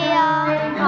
mà mình đã có